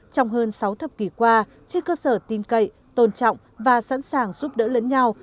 trong hơn sáu thập kỷ qua trên cơ sở tin cậy tôn trọng và sẵn sàng giúp đỡ lẫn nhau